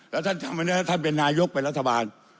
แล้วท่านทำอันนี้แล้วท่านเป็นนายกเป็นรัฐบาล